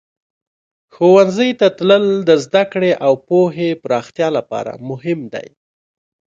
ښوونځي ته تلل د زده کړې او پوهې پراختیا لپاره مهم دی.